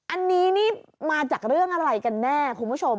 อันนี้นี่มาจากเรื่องอะไรกันแน่คุณผู้ชม